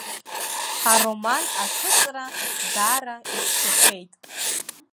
Ароман аҭыҵра даара ицәгьахеит.